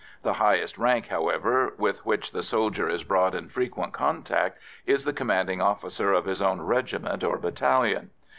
The highest rank, however, with which the soldier is brought in frequent contact is the commanding officer of his own regiment or battalion.